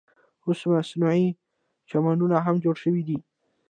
اوس مصنوعي چمنونه هم جوړ شوي دي.